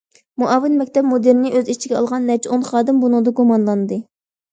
مۇئاۋىن مەكتەپ مۇدىرىنى ئۆز ئىچىگە ئالغان نەچچە ئون خادىم بۇنىڭدىن گۇمانلاندى.